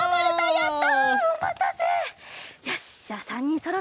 やった！